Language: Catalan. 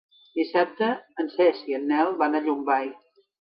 Dissabte en Cesc i en Nel van a Llombai.